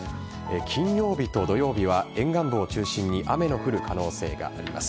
金曜日と土曜日は沿岸部を中心に雨の降る可能性があります。